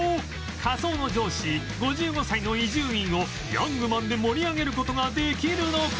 仮想の上司５５歳の伊集院を『ＹＯＵＮＧＭＡＮ』で盛り上げる事ができるのか？